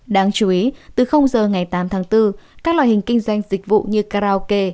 đáng chú ý từ giờ ngày tám tháng bốn các loại hình kinh doanh dịch vụ như karaoke